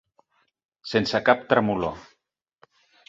Sense cap tremolor.